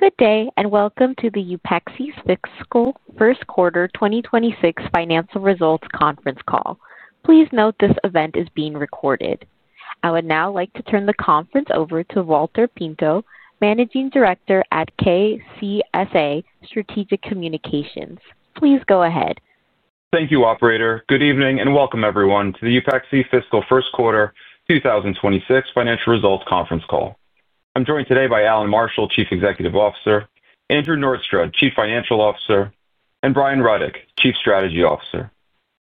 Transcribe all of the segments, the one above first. Good day, and welcome to the Upexi's fiscal first quarter 2026 financial results conference call. Please note this event is being recorded. I would now like to turn the conference over to Valter Pinto, Managing Director at KCSA Strategic Communications. Please go ahead. Thank you, Operator. Good evening and welcome, everyone, to the Upexi Fiscal First Quarter 2026 Financial Results Conference Call. I'm joined today by Allan Marshall, Chief Executive Officer, Andrew Norstrud, Chief Financial Officer, and Brian Rudick, Chief Strategy Officer.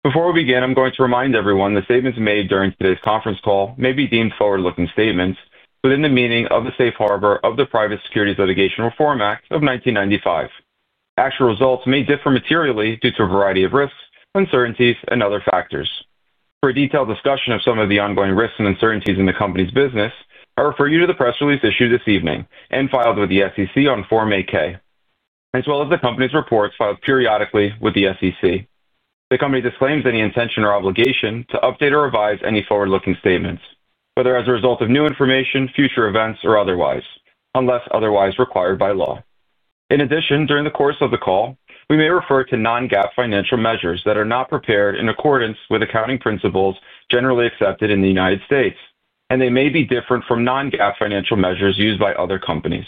Before we begin, I'm going to remind everyone the statements made during today's conference call may be deemed forward-looking statements within the meaning of the Safe Harbor of the Private Securities Litigation Reform Act of 1995. Actual results may differ materially due to a variety of risks, uncertainties, and other factors. For a detailed discussion of some of the ongoing risks and uncertainties in the company's business, I refer you to the press release issued this evening and filed with the SEC on Form 8-K, as well as the company's reports filed periodically with the SEC. The company disclaims any intention or obligation to update or revise any forward-looking statements, whether as a result of new information, future events, or otherwise, unless otherwise required by law. In addition, during the course of the call, we may refer to non-GAAP financial measures that are not prepared in accordance with accounting principles generally accepted in the United States, and they may be different from non-GAAP financial measures used by other companies.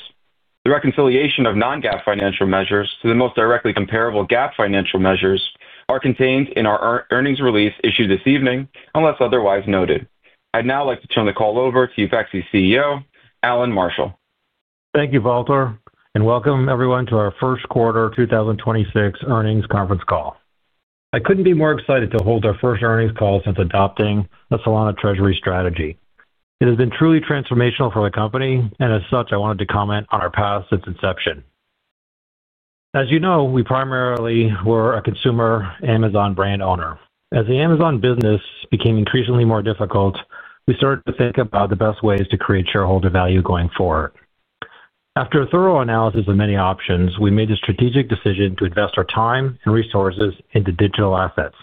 The reconciliation of non-GAAP financial measures to the most directly comparable GAAP financial measures is contained in our earnings release issued this evening, unless otherwise noted. I'd now like to turn the call over to Upexi CEO, Allan Marshall. Thank you, Valter, and welcome, everyone, to our first quarter 2026 earnings conference call. I could not be more excited to hold our first earnings call since adopting the Solana treasury strategy. It has been truly transformational for the company, and as such, I wanted to comment on our path since inception. As you know, we primarily were a consumer Amazon brand owner. As the Amazon business became increasingly more difficult, we started to think about the best ways to create shareholder value going forward. After a thorough analysis of many options, we made the strategic decision to invest our time and resources into digital assets.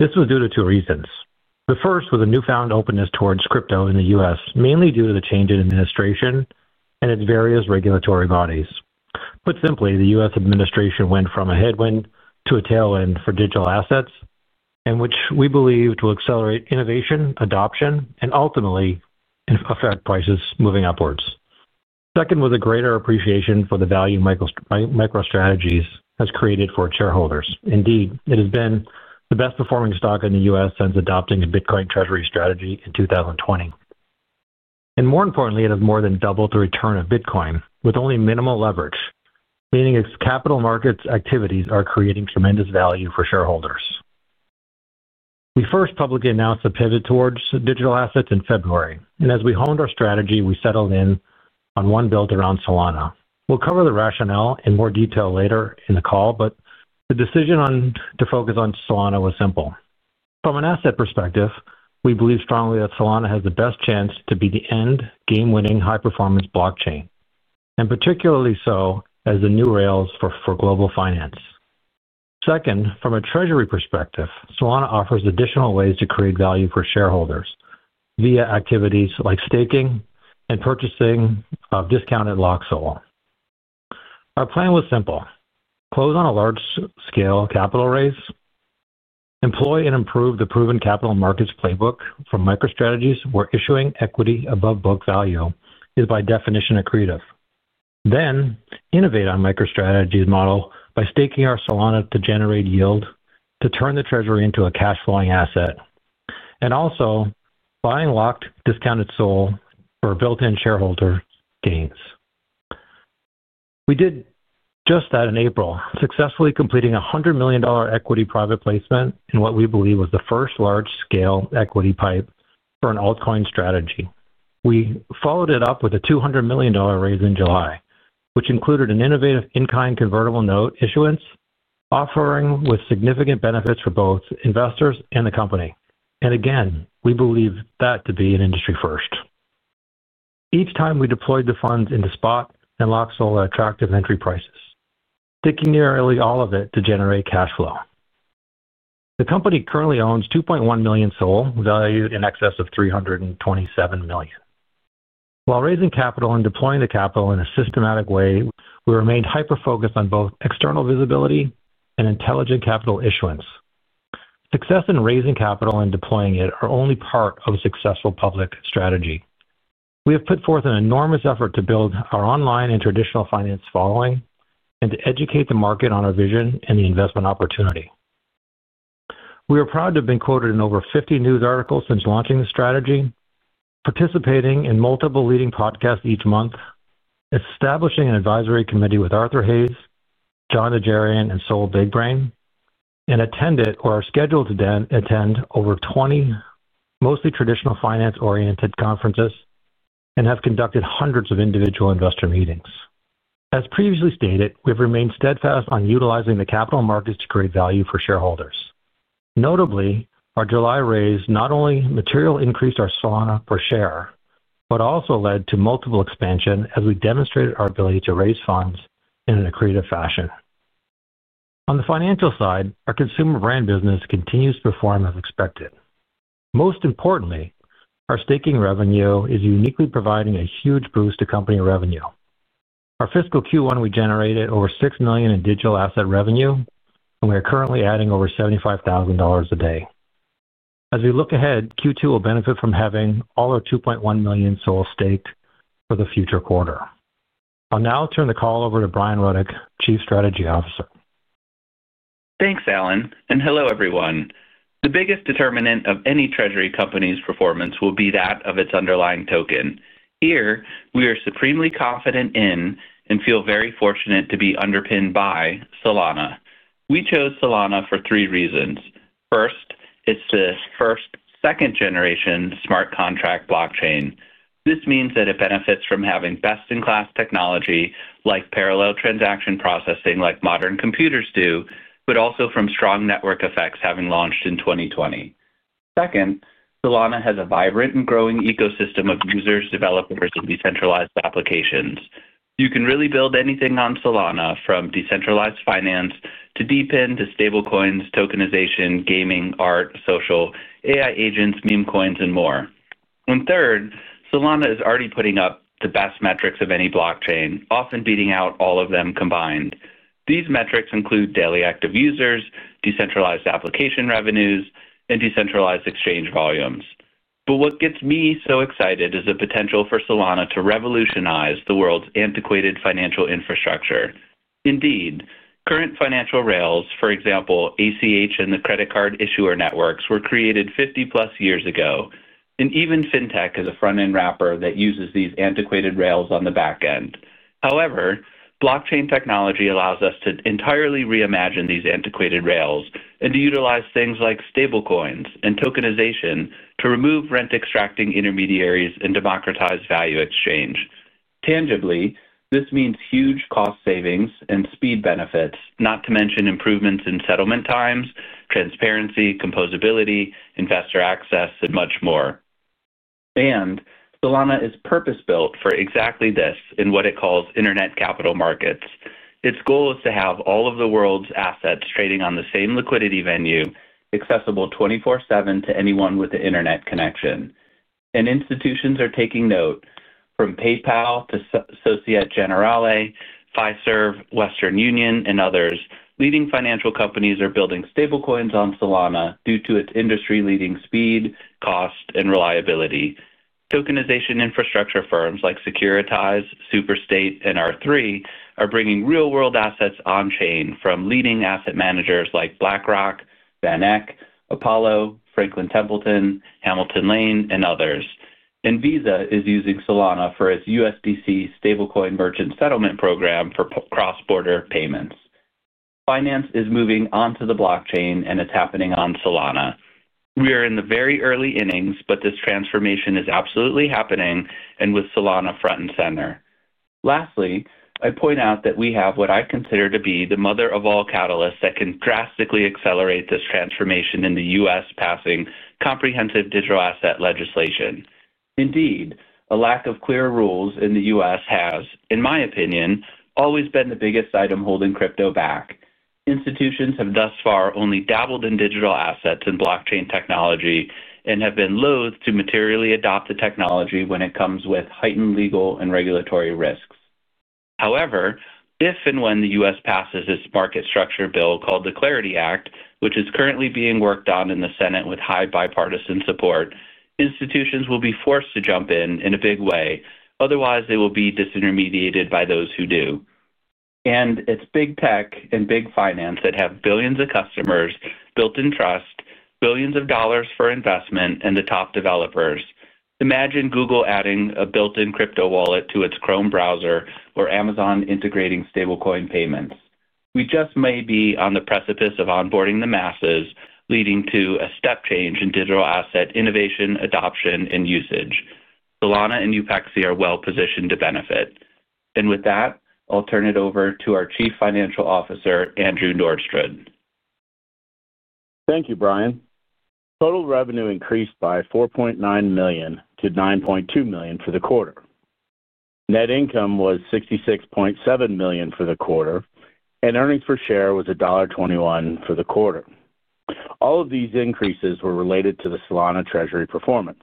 This was due to two reasons. The first was a newfound openness towards crypto in the U.S., mainly due to the change in administration and its various regulatory bodies. Put simply, the US administration went from a headwind to a tailwind for digital assets, which we believe will accelerate innovation, adoption, and ultimately affect prices moving upwards. Second was a greater appreciation for the value MicroStrategy has created for shareholders. Indeed, it has been the best-performing stock in the US since adopting a Bitcoin Treasury strategy in 2020. More importantly, it has more than doubled the return of Bitcoin with only minimal leverage, meaning its capital markets activities are creating tremendous value for shareholders. We first publicly announced a pivot towards digital assets in February, and as we honed our strategy, we settled in on one built around Solana. We will cover the rationale in more detail later in the call, but the decision to focus on Solana was simple. From an asset perspective, we believe strongly that Solana has the best chance to be the end-game-winning high-performance blockchain, particularly so as the new rails for global finance. Second, from a treasury perspective, Solana offers additional ways to create value for shareholders via activities like staking and purchasing of discounted Locked SOL. Our plan was simple: close on a large-scale capital raise, employ and improve the proven capital markets playbook from MicroStrategy's where issuing equity above book value is by definition accretive. Then innovate on MicroStrategy's model by staking our Solana to generate yield to turn the treasury into a cash-flowing asset, and also buying locked discounted SOL for built-in shareholder gains. We did just that in April, successfully completing a $100 million equity private placement in what we believe was the first large-scale equity pipe for an altcoin strategy. We followed it up with a $200 million raise in July, which included an innovative in-kind convertible note issuance offering with significant benefits for both investors and the company. We believe that to be an industry first. Each time we deployed the funds into spot and Locked SOL at attractive entry prices, staking nearly all of it to generate cash flow. The company currently owns 2.1 million SOL valued in excess of $327 million. While raising capital and deploying the capital in a systematic way, we remained hyper-focused on both external visibility and intelligent capital issuance. Success in raising capital and deploying it are only part of a successful public strategy. We have put forth an enormous effort to build our online and traditional finance following and to educate the market on our vision and the investment opportunity. We are proud to have been quoted in over 50 news articles since launching the strategy, participating in multiple leading podcasts each month, establishing an advisory committee with Arthur Hayes, Jon Najarian, and SOL Big Brain, and attended or are scheduled to attend over 20 mostly traditional finance-oriented conferences and have conducted hundreds of individual investor meetings. As previously stated, we have remained steadfast on utilizing the capital markets to create value for shareholders. Notably, our July raise not only materially increased our Solana per share, but also led to multiple expansions as we demonstrated our ability to raise funds in an accretive fashion. On the financial side, our consumer brand business continues to perform as expected. Most importantly, our staking revenue is uniquely providing a huge boost to company revenue. Our fiscal Q1, we generated over $6 million in digital asset revenue, and we are currently adding over $75,000 a day. As we look ahead, Q2 will benefit from having all our 2.1 million SOL staked for the future quarter. I'll now turn the call over to Brian Rudick, Chief Strategy Officer. Thanks, Allan. Hello, everyone. The biggest determinant of any treasury company's performance will be that of its underlying token. Here, we are supremely confident in and feel very fortunate to be underpinned by Solana. We chose Solana for three reasons. First, it is the first second-generation smart contract blockchain. This means that it benefits from having best-in-class technology like parallel transaction processing like modern computers do, but also from strong network effects having launched in 2020. Second, Solana has a vibrant and growing ecosystem of users, developers, and decentralized applications. You can really build anything on Solana, from decentralized finance to DePIN to stablecoins, tokenization, gaming, art, social, AI agents, meme coins, and more. Third, Solana is already putting up the best metrics of any blockchain, often beating out all of them combined. These metrics include daily active users, decentralized application revenues, and decentralized exchange volumes. What gets me so excited is the potential for Solana to revolutionize the world's antiquated financial infrastructure. Indeed, current financial rails, for example, ACH and the credit card issuer networks, were created 50-plus years ago, and even fintech has a front-end wrapper that uses these antiquated rails on the back end. However, blockchain technology allows us to entirely reimagine these antiquated rails and to utilize things like stablecoins and tokenization to remove rent-extracting intermediaries and democratize value exchange. Tangibly, this means huge cost savings and speed benefits, not to mention improvements in settlement times, transparency, composability, investor access, and much more. Solana is purpose-built for exactly this in what it calls internet capital markets. Its goal is to have all of the world's assets trading on the same liquidity venue, accessible 24/7 to anyone with an internet connection. Institutions are taking note, from PayPal to Société Générale, FiServ, Western Union, and others. Leading financial companies are building stablecoins on Solana due to its industry-leading speed, cost, and reliability. Tokenization infrastructure firms like Securitize, Superstate, and R3 are bringing real-world assets on-chain from leading asset managers like BlackRock, VanEck, Apollo, Franklin Templeton, Hamilton Lane, and others. Visa is using Solana for its USDC stablecoin merchant settlement program for cross-border payments. Finance is moving onto the blockchain, and it's happening on Solana. We are in the very early innings, but this transformation is absolutely happening and with Solana front and center. Lastly, I point out that we have what I consider to be the mother of all catalysts that can drastically accelerate this transformation in the United States, passing comprehensive digital asset legislation. Indeed, a lack of clear rules in the U.S. has, in my opinion, always been the biggest item holding crypto back. Institutions have thus far only dabbled in digital assets and blockchain technology and have been loath to materially adopt the technology when it comes with heightened legal and regulatory risks. However, if and when the U.S. passes its market structure bill called the Clarity Act, which is currently being worked on in the Senate with high bipartisan support, institutions will be forced to jump in in a big way. Otherwise, they will be disintermediated by those who do. It is big tech and big finance that have billions of customers, built-in trust, billions of dollars for investment, and the top developers. Imagine Google adding a built-in crypto wallet to its Chrome browser or Amazon integrating stablecoin payments. We just may be on the precipice of onboarding the masses, leading to a step change in digital asset innovation, adoption, and usage. Solana and Upexi are well-positioned to benefit. With that, I'll turn it over to our Chief Financial Officer, Andrew Norstrud. Thank you, Brian. Total revenue increased by $4.9 million to $9.2 million for the quarter. Net income was $66.7 million for the quarter, and earnings per share was $1.21 for the quarter. All of these increases were related to the Solana treasury performance.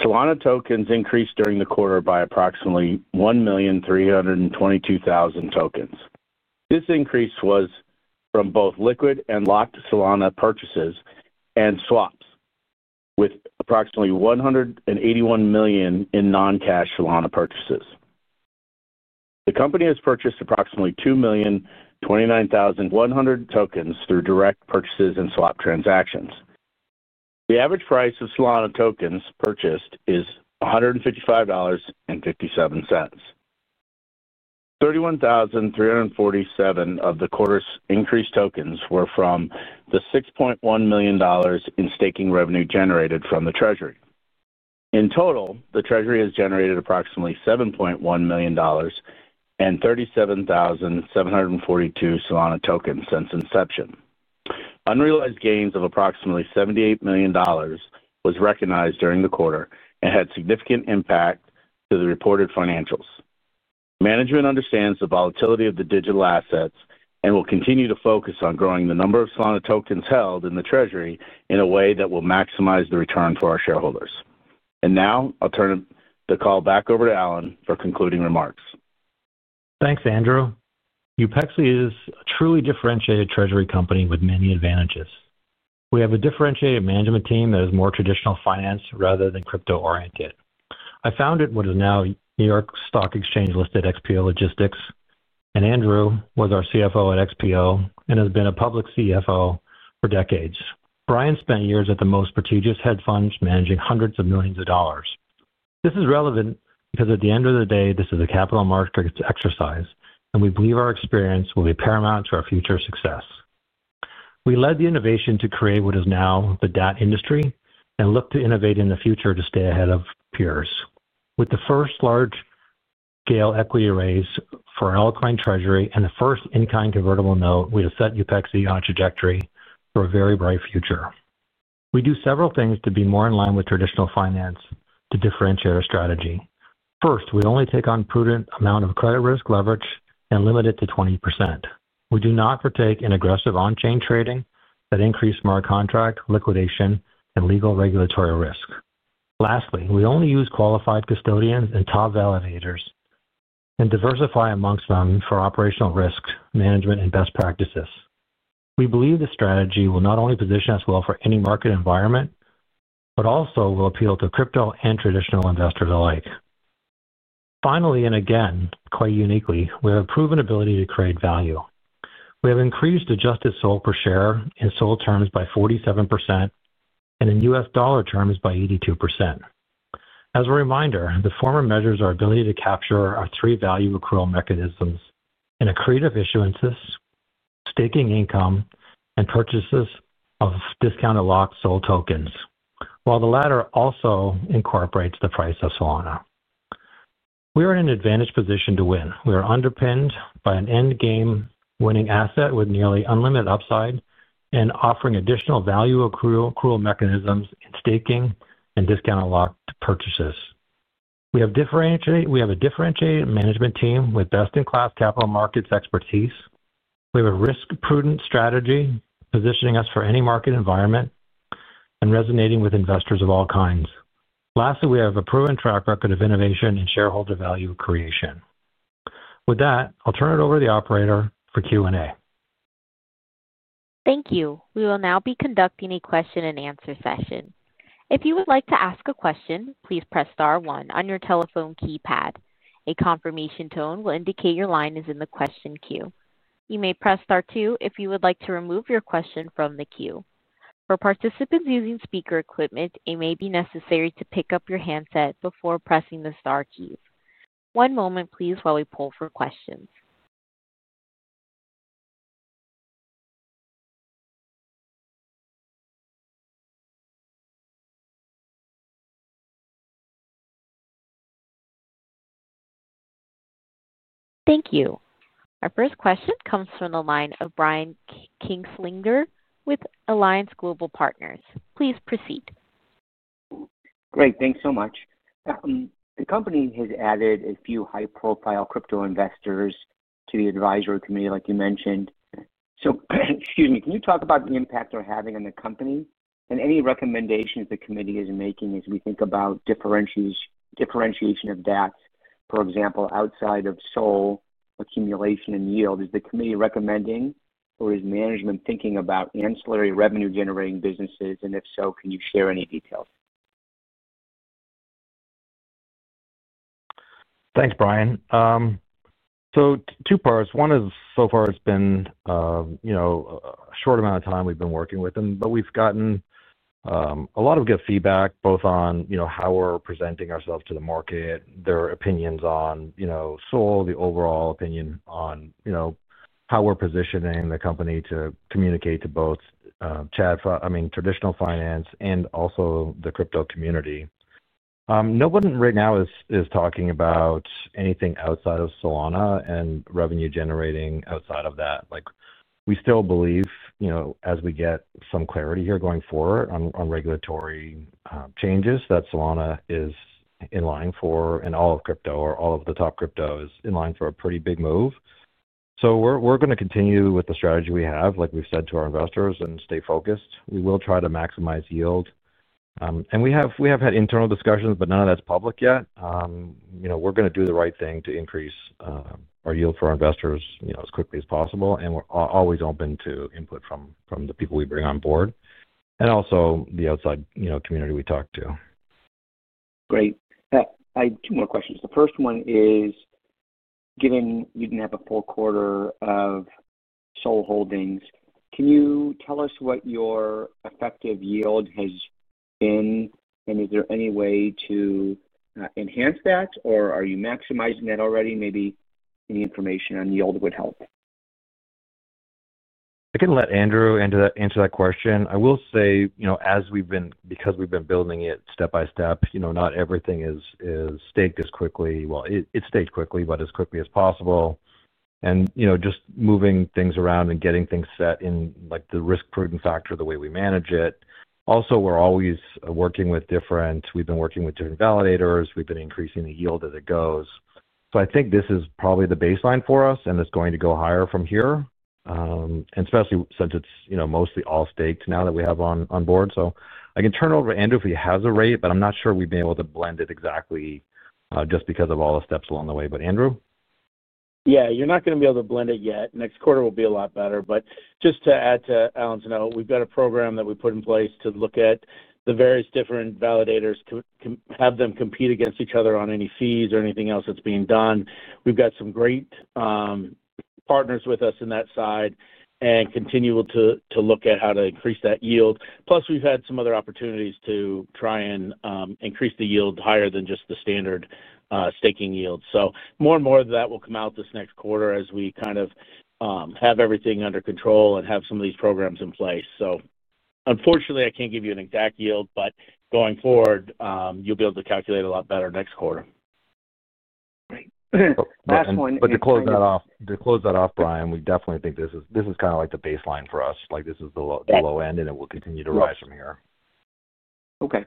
Solana tokens increased during the quarter by approximately 1,322,000 tokens. This increase was from both liquid and locked Solana purchases and swaps, with approximately $181 million in non-cash Solana purchases. The company has purchased approximately 2,029,100 tokens through direct purchases and swap transactions. The average price of Solana tokens purchased is $155.57. 31,347 of the quarter's increased tokens were from the $6.1 million in staking revenue generated from the treasury. In total, the treasury has generated approximately $7.1 million and 37,742 Solana tokens since inception. Unrealized gains of approximately $78 million was recognized during the quarter and had significant impact to the reported financials. Management understands the volatility of the digital assets and will continue to focus on growing the number of Solana tokens held in the treasury in a way that will maximize the return for our shareholders. I will now turn the call back over to Allan for concluding remarks. Thanks, Andrew. Upexi is a truly differentiated treasury company with many advantages. We have a differentiated management team that is more traditional finance rather than crypto-oriented. I founded what is now New York Stock Exchange-listed XPO Logistics, and Andrew was our CFO at XPO and has been a public CFO for decades. Brian spent years at the most prestigious hedge funds managing hundreds of millions of dollars. This is relevant because at the end of the day, this is a capital markets exercise, and we believe our experience will be paramount to our future success. We led the innovation to create what is now the DAT industry and look to innovate in the future to stay ahead of peers. With the first large-scale equity raise for an altcoin treasury and the first in-kind convertible note, we have set Upexi on a trajectory for a very bright future. We do several things to be more in line with traditional finance to differentiate our strategy. First, we only take on a prudent amount of credit risk leverage and limit it to 20%. We do not partake in aggressive on-chain trading that increases smart contract liquidation and legal regulatory risk. Lastly, we only use qualified custodians and top validators and diversify amongst them for operational risk management and best practices. We believe this strategy will not only position us well for any market environment, but also will appeal to crypto and traditional investors alike. Finally, and again, quite uniquely, we have a proven ability to create value. We have increased adjusted SOL per share in SOL terms by 47% and in US dollar terms by 82%. As a reminder, the former measures our ability to capture our three value accrual mechanisms in accretive issuances, staking income, and purchases of discounted locked SOL tokens, while the latter also incorporates the price of Solana. We are in an advantageous position to win. We are underpinned by an end-game winning asset with nearly unlimited upside and offering additional value accrual mechanisms in staking and discounted locked purchases. We have a differentiated management team with best-in-class capital markets expertise. We have a risk-prudent strategy positioning us for any market environment and resonating with investors of all kinds. Lastly, we have a proven track record of innovation and shareholder value creation. With that, I'll turn it over to the operator for Q&A. Thank you. We will now be conducting a question-and-answer session. If you would like to ask a question, please press star one on your telephone keypad. A confirmation tone will indicate your line is in the question queue. You may press star two if you would like to remove your question from the queue. For participants using speaker equipment, it may be necessary to pick up your handset before pressing the star keys. One moment, please, while we pull for questions. Thank you. Our first question comes from the line of Brian Kinstlinger with Alliance Global Partners. Please proceed. Great. Thanks so much. The company has added a few high-profile crypto investors to the advisory committee, like you mentioned. Excuse me, can you talk about the impact they're having on the company and any recommendations the committee is making as we think about differentiation of DATs, for example, outside of SOL accumulation and yield? Is the committee recommending, or is management thinking about ancillary revenue-generating businesses? If so, can you share any details? Thanks, Brian. Two parts. One is, so far, it's been a short amount of time we've been working with them, but we've gotten a lot of good feedback both on how we're presenting ourselves to the market, their opinions on Solana, the overall opinion on how we're positioning the company to communicate to both, I mean, traditional finance and also the crypto community. No one right now is talking about anything outside of Solana and revenue-generating outside of that. We still believe, as we get some clarity here going forward on regulatory changes, that Solana is in line for, and all of crypto or all of the top crypto is in line for a pretty big move. We are going to continue with the strategy we have, like we've said to our investors, and stay focused. We will try to maximize yield. We have had internal discussions, but none of that's public yet. We're going to do the right thing to increase our yield for our investors as quickly as possible and are always open to input from the people we bring on board and also the outside community we talk to. Great. I have two more questions. The first one is, given you did not have a full quarter of SOL holdings, can you tell us what your effective yield has been, and is there any way to enhance that, or are you maximizing that already? Maybe any information on yield would help. I can let Andrew answer that question. I will say, because we've been building it step by step, not everything is staked as quickly. It is staked quickly, but not as quickly as possible. Just moving things around and getting things set in the risk-prudent factor, the way we manage it. Also, we're always working with different—we've been working with different validators. We've been increasing the yield as it goes. I think this is probably the baseline for us, and it's going to go higher from here, especially since it's mostly all staked now that we have on board. I can turn it over to Andrew if he has a rate, but I'm not sure we've been able to blend it exactly just because of all the steps along the way. But, Andrew? Yeah. You're not going to be able to blend it yet. Next quarter will be a lot better. Just to add to Allan's note, we've got a program that we put in place to look at the various different validators, have them compete against each other on any fees or anything else that's being done. We've got some great partners with us in that side and continue to look at how to increase that yield. Plus, we've had some other opportunities to try and increase the yield higher than just the standard staking yield. More and more of that will come out this next quarter as we kind of have everything under control and have some of these programs in place. Unfortunately, I can't give you an exact yield, but going forward, you'll be able to calculate a lot better next quarter. Great. Last one. To close that off, Brian, we definitely think this is kind of like the baseline for us. This is the low end, and it will continue to rise from here. Okay.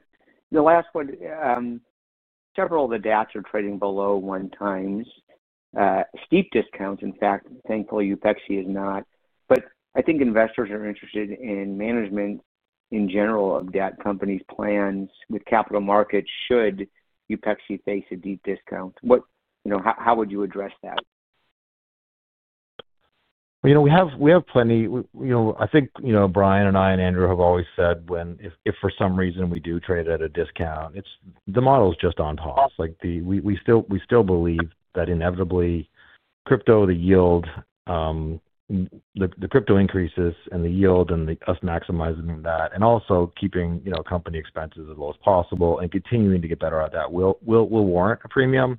The last one. Several of the DATs are trading below one times. Steep discounts, in fact. Thankfully, Upexi is not. I think investors are interested in management in general of DAT companies' plans with capital markets. Should Upexi face a deep discount, how would you address that? We have plenty. I think Brian and I and Andrew have always said if, for some reason, we do trade at a discount, the model is just on top. We still believe that inevitably, crypto, the yield, the crypto increases, and the yield, and us maximizing that, and also keeping company expenses as low as possible and continuing to get better at that will warrant a premium.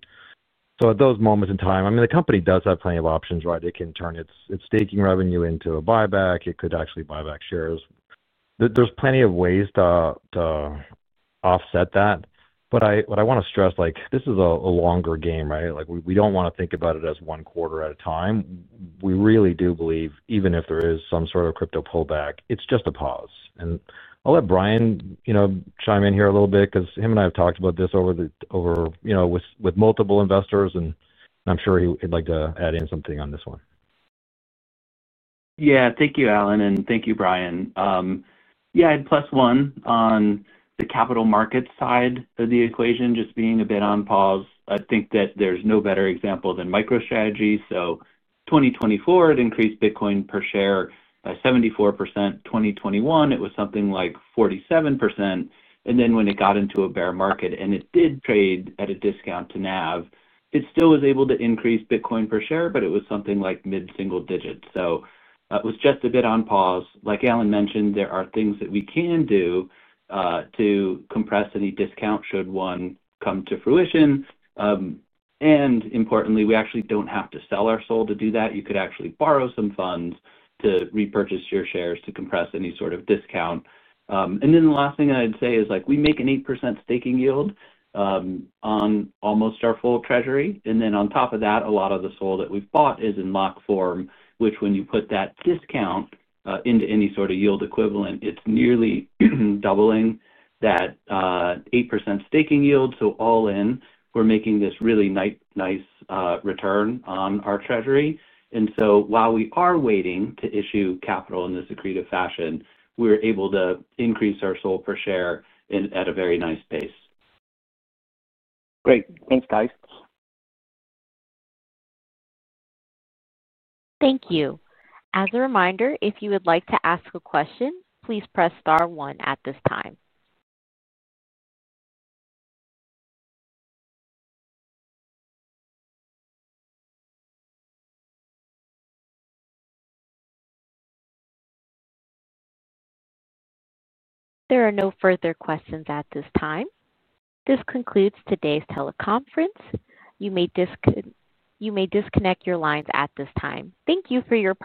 At those moments in time, I mean, the company does have plenty of options, right? It can turn its staking revenue into a buyback. It could actually buy back shares. There are plenty of ways to offset that. What I want to stress, this is a longer game, right? We do not want to think about it as one quarter at a time. We really do believe even if there is some sort of crypto pullback, it is just a pause. I'll let Brian chime in here a little bit because he and I have talked about this over with multiple investors, and I'm sure he'd like to add in something on this one. Yeah. Thank you, Allan, and thank you, Brian. Yeah, I'd plus one on the capital markets side of the equation, just being a bit on pause. I think that there's no better example than MicroStrategy. So 2024, it increased Bitcoin per share by 74%. 2021, it was something like 47%. And then when it got into a bear market, and it did trade at a discount to NAV, it still was able to increase Bitcoin per share, but it was something like mid-single digits. It was just a bit on pause. Like Allan mentioned, there are things that we can do to compress any discount should one come to fruition. Importantly, we actually do not have to sell our SOL to do that. You could actually borrow some funds to repurchase your shares to compress any sort of discount. The last thing I'd say is we make an 8% staking yield on almost our full treasury. On top of that, a lot of the SOL that we've bought is in locked form, which, when you put that discount into any sort of yield equivalent, it's nearly doubling that 8% staking yield. All in, we're making this really nice return on our treasury. While we are waiting to issue capital in this accretive fashion, we're able to increase our SOL per share at a very nice pace. Great. Thanks, guys. Thank you. As a reminder, if you would like to ask a question, please press star one at this time. There are no further questions at this time. This concludes today's teleconference. You may disconnect your lines at this time. Thank you for your time.